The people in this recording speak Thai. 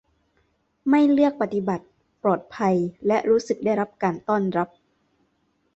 ไม่เลือกปฏิบัติ ปลอดภัยและรู้สึกได้รับการต้อนรับ